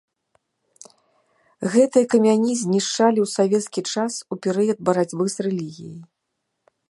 Гэтыя камяні знішчалі ў савецкі час у перыяд барацьбы з рэлігіяй.